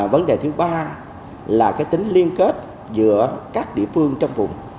vấn đề thứ ba là tính liên kết giữa các địa phương trong vùng